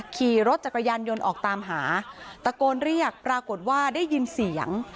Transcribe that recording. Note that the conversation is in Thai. ขี่รถจักรยานยนต์ออกตามหาตะโกนเรียกปรากฏว่าได้ยินเสียง